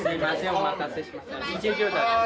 お待たせしました。